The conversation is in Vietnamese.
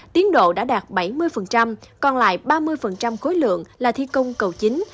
tiến độ đã đạt bảy mươi còn lại ba mươi khối lượng là thi công cầu chính